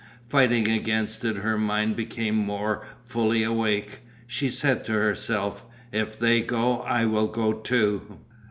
Fighting against it her mind became more fully awake. She said to herself: "If they go I will go too."